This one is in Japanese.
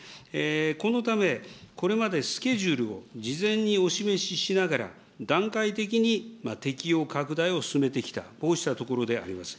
このため、これまでスケジュールを事前にお示ししながら、段階的に適用拡大を進めてきた、こうしたところであります。